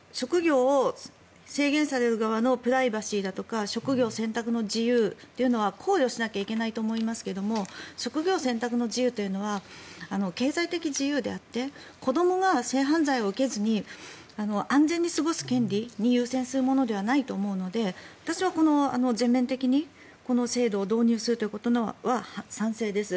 職業を制限される側のプライバシーだとか職業選択の自由というのは考慮しなきゃいけないと思いますが職業選択の自由というのは経済的自由であって子どもが性犯罪を受けずに安全に過ごす権利に優先するものではないと思うので私は全面的にこの制度を導入することは賛成です。